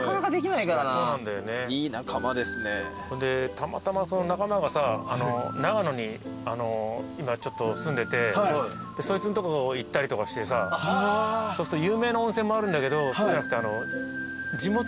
たまたま仲間がさ長野に今住んでてそいつんとこ行ったりとかしてさそうすると有名な温泉もあるんだけどそうじゃなくて。